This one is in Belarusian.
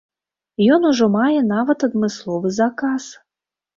Ён ужо мае нават адмысловы заказ!